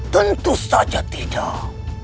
tentu saja tidak